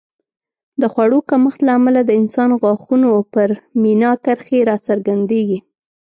د خوړو کمښت له امله د انسان غاښونو پر مینا کرښې راڅرګندېږي